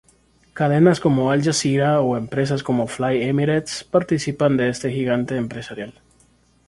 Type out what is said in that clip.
Cadenas como "Al-Jazeera" o empresas como "Fly Emirates" participan de este gigante empresarial.